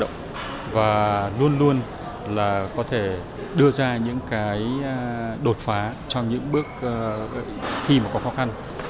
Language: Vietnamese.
doanh nhân việt nam luôn luôn là có thể đưa ra những cái đột phá trong những bước khi mà có khó khăn